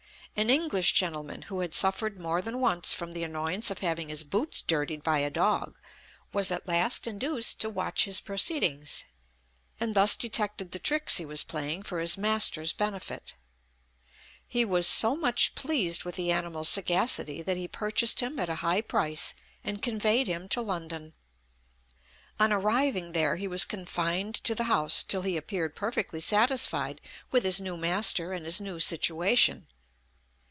An English gentleman, who had suffered more than once from the annoyance of having his boots dirtied by a dog, was at last induced to watch his proceedings, and thus detected the tricks he was playing for his master's benefit. He was so much pleased with the animal's sagacity, that he purchased him at a high price and conveyed him to London. On arriving there, he was confined to the house till he appeared perfectly satisfied with his new master and his new situation.